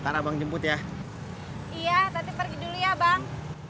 karena bang jemput ya iya tapi pergi dulu ya bang